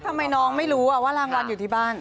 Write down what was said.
ทำไมน้องไม่รู้ว่ารางวัลอยู่ที่บ้าน